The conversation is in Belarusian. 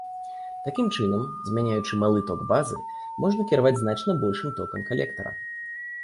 Такім чынам, змяняючы малы ток базы, можна кіраваць значна большым токам калектара.